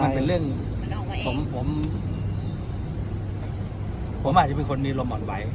มันเป็นเรื่องผมผมอาจจะเป็นคนมีลมอ่อนไหว